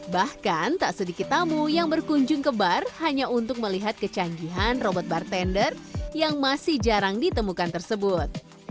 bahkan tak sedikit tamu yang berkunjung ke bar hanya untuk melihat kecanggihan robot bartender yang masih jarang ditemukan tersebut